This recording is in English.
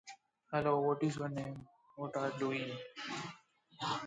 They occasionally pillage gardens and cultivated areas.